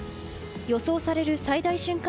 予想される最大瞬間